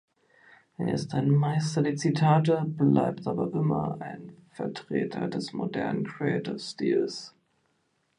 Er ist ein Meister der Zitate, bleibt aber immer ein Vertreter des Modern Creative-Stils.